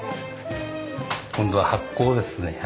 今度は発酵ですね。